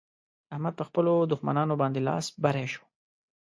احمد په خپلو دښمانانو باندې لاس بری شو.